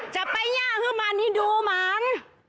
จะไปย่าคือมันนี่ดูมัน